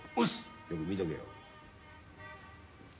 よく見とけよ。